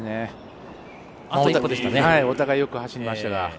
お互いよく走りました。